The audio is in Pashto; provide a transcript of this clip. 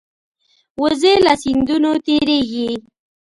وزې له سیندونو تېرېږي